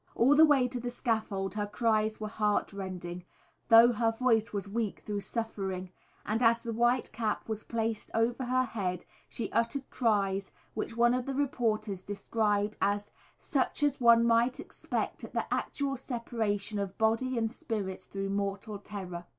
All the way to the scaffold her cries were heart rending, though her voice was weak through suffering, and as the white cap was placed over her head she uttered cries which one of the reporters described as "such as one might expect at the actual separation of body and spirit through mortal terror."